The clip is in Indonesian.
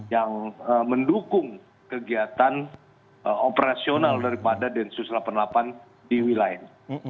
yang mendukung kegiatan operasional daripada densus delapan puluh delapan di wilayah ini